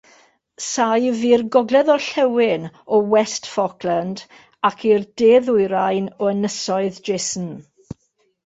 Saif i'r gogledd-orllewin o West Falkland ac i'r de-ddwyrain o Ynysoedd Jason.